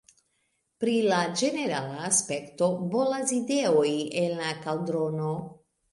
Pri la ĝenerala aspekto, bolas ideoj en la kaldrono.